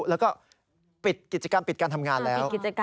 แล้วก็ปิดกิจกรรมปิดการทำงานแล้ว